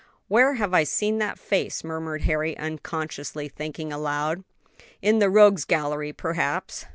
"Where have I seen that face?" murmured Harry, unconsciously thinking aloud. "In the rogues' gallery, perhaps.